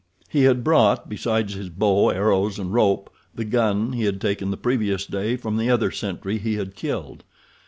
He had brought, besides, his bow, arrows, and rope, the gun he had taken the previous day from the other sentry he had killed.